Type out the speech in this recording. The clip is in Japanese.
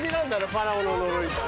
ファラオの呪いって。